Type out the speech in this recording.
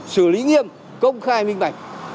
xử lý nghiêm công khai minh bạch